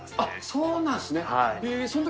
そうなんですね。